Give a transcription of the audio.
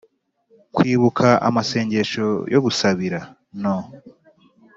Kwibuka amasengesho yo gusabira no